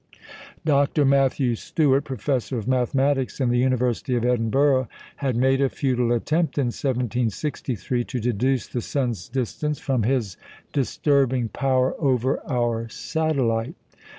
Dr. Matthew Stewart, professor of mathematics in the University of Edinburgh, had made a futile attempt in 1763 to deduce the sun's distance from his disturbing power over our satellite.